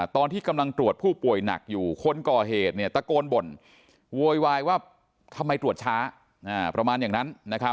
ตอนที่กำลังตรวจผู้ป่วยหนักอยู่คนก่อเหตุตะโกนบ่นโวยวายว่าทำไมตรวจช้าประมาณอย่างนั้น